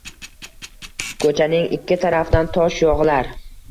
Ko‘chaning ikki tarafidan tosh yog‘ilar.